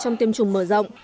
trong tiêm chủng mở rộng